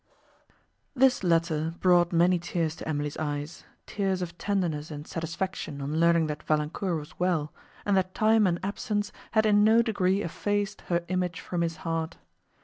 This letter brought many tears to Emily's eyes; tears of tenderness and satisfaction on learning that Valancourt was well, and that time and absence had in no degree effaced her image from his heart.